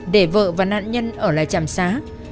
để vợ và nạn nhân ở lại chạm xá